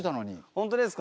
本当ですか？